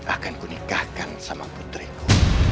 akanku nikahkan sama putriku